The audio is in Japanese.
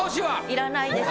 要らないです。